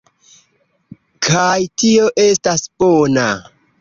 kaj tio estas bona.